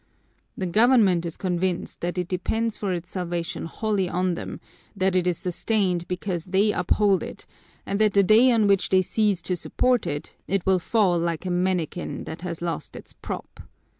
The government is convinced that it depends for its salvation wholly on them, that it is sustained because they uphold it, and that the day on which they cease to support it, it will fall like a manikin that has lost its prop.